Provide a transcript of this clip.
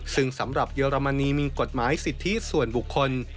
ซึ่งสำหรับเยอรมนีมีกฎหมายสิทธิส่วนบุคคล